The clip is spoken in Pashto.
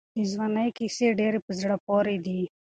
د ځوانۍ کیسې ډېرې په زړه پورې دي.